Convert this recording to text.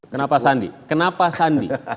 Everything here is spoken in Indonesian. kenapa sandi kenapa sandi